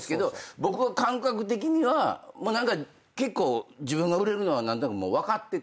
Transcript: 僕は感覚的には結構自分が売れるのは何となくもう分かってて。